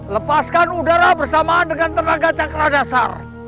lepaskan udara bersamaan dengan tenaga cakra dasar